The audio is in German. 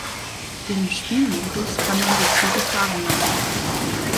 Im "Spielmodus" kann man die Züge fahren lassen.